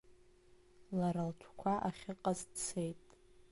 Лара лтәқәа ахьыҟаз дцеит.